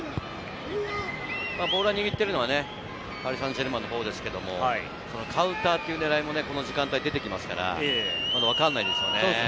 ボールを握ってるのはパリ・サンジェルマンのほうですけれど、カウンターという狙いも出てきますからわかんないでしょうね。